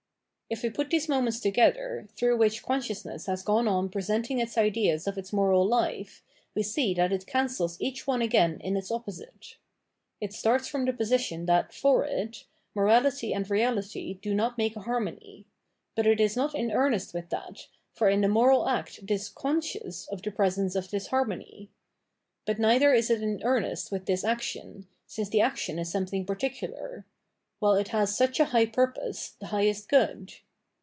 If we put these moments together, through which con sciousness has gone on presenting its ideas of its moral hfe, we see that it cancels each one again in its opposite. It starts from the position that, for it, morality and reality do not make a harmony ; but it is not in earnest with that, for in the moral act it is conscknis of the presence of this harmony. But neither is it in earnest with this action, since the action is something par ticular ; while it has such a high purpose, the highest good.